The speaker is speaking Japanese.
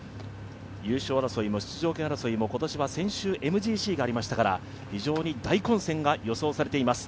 優勝争いも出場権争いも、今年は先週、ＭＧＣがありましたから非常に大混戦が予想されています。